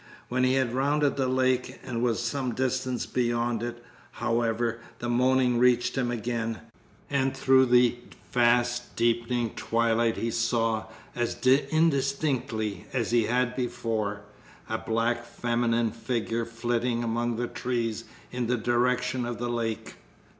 When he had rounded the lake and was some distance beyond it, however, the moaning reached him again, and through the fast deepening twilight he saw, as indistinctly as he had before, a black feminine figure flitting among the trees in the direction of the lake.